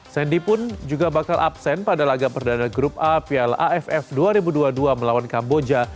sandy pun juga bakal absen pada laga perdana grup a piala aff dua ribu dua puluh dua melawan kamboja